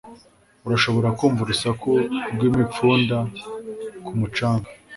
Urashobora kumva urusaku rw'imipfunda ku mucanga